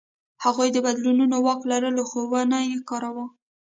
هغوی د بدلونو واک لرلو، خو ونه یې کاراوه.